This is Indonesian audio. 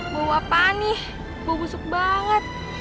bau apaan nih bau busuk banget